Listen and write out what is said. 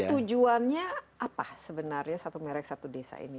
tujuannya apa sebenarnya satu merek satu desa ini